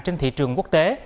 trên thị trường quốc tế